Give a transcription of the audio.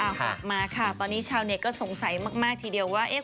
ฝากมาค่ะตอนนี้ชาวเน็ตก็สงสัยมากทีเดียวว่าเอ๊ะ